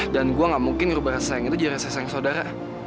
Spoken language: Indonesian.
dan gue gak mungkin ngerubah rasa sayang itu jadi rasa sayang saudara